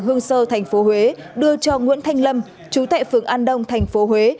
lê bảo nguyên chú tại phường hương sơ tp huế đưa cho nguyễn thanh lâm chú tại phường an đông tp huế